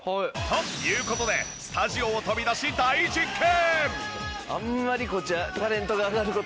という事でスタジオを飛び出し大実験！